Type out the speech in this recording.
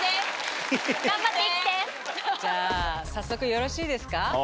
じゃあ早速よろしいですか？